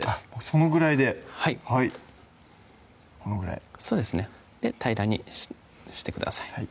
そのぐらいではいこのぐらいそうですねで平らにしてください